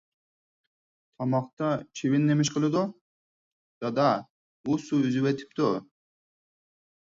_ تاماقتا چىۋىن نېمىش قىلدۇ؟ _ دادا، ئۇ سۇ ئۈزۈۋېتىپتۇ.